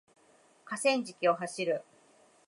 河川敷を走る